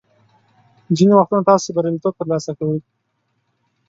ځینې وختونه تاسو بریالیتوب ترلاسه کوئ.